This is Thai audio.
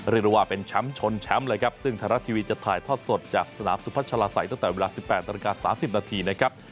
เรียกได้ว่าเป็นแชมป์ชนแชมป์เลยครับซึ่งไทยรัฐทีวีจะถ่ายทอดสดจากสนามสุพัชลาศัยตั้งแต่เวลา๑๘นาฬิกา๓๐นาทีนะครับ